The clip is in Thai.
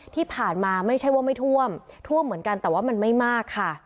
ที่ผ่านมาไม่ใช่ว่าไม่ท่วมท่วมเหมือนกันแต่ว่ามันไม่มากค่ะ